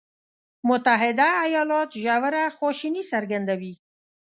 متحده ایالات ژوره خواشیني څرګندوي.